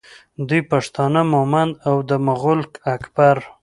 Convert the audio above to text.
دوی پښتانه مومند او د مغول اکبر